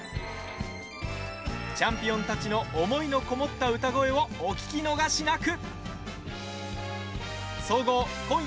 チャンピオンたちの思いのこもった歌声をお聞き逃しなく。